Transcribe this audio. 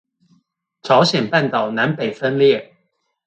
朝鮮半島南北分裂